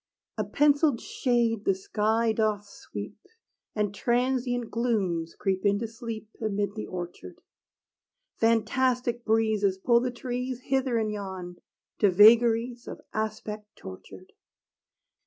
A penciled shade the sky doth sweep, And transient glooms creep in to sleep Amid the orchard; Fantastic breezes pull the trees Hither and yon, to vagaries Of aspect tortured.